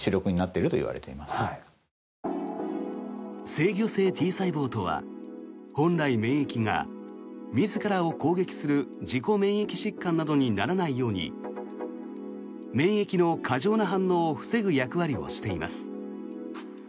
制御性Ｔ細胞とは本来、免疫が自らを攻撃する自己免疫疾患などにならないように免疫の過剰な反応を防ぐ役割をしています。